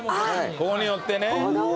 ここに寄ってね。